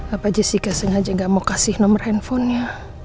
apa jessica sengaja gak mau kasih nomor handphonenya